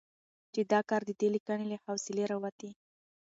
چې دا کار د دې ليکنې له حوصلې راوتې